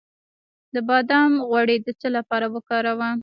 د بادام غوړي د څه لپاره وکاروم؟